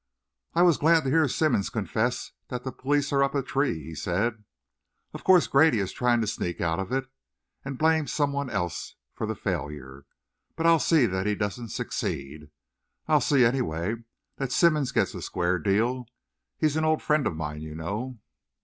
"I was glad to hear Simmonds confess that the police are up a tree," he said. "Of course, Grady is trying to sneak out of it, and blame some one else for the failure but I'll see that he doesn't succeed. I'll see, anyway, that Simmonds gets a square deal he's an old friend of mine, you know."